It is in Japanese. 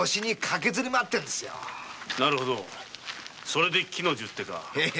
なるほどそれで木の十手か。